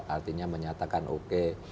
artinya menyatakan oke